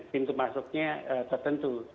pintu masuknya tertentu